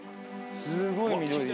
すごい緑。